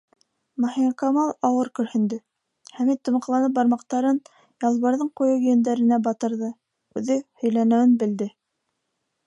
Маһикамал ауыр көрһөндө, Хәмит тубыҡланып бармаҡтарын Ялбырҙың ҡуйы йөндәренә батырҙы, үҙе һөйләнеүен белде: